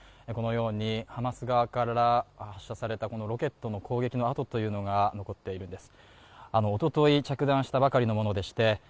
このようにハマス側から発射されたこのロケットの攻撃のあとというのが残っているんです